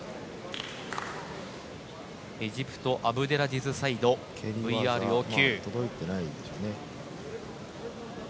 エジプト、アブデラジズサイドＶＲ要求。